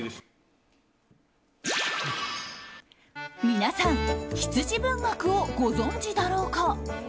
皆さん羊文学をご存じだろうか。